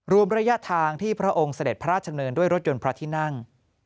รวมระยะทางที่พระองค์เสด็จพระราชดำเนินด้วยรถยนต์พระที่นั่ง